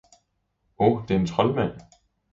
Oh, det er en troldmand!